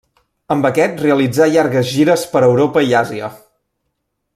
Amb aquest realitzà llargues gires per Europa i Àsia.